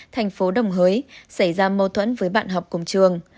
thành phố đồng hới xảy ra mâu thuẫn với bạn